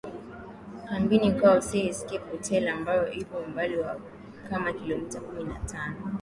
kambini kwao Sea Scape Hotel ambayo ipo umbali wa kama Kilomita kumi na tano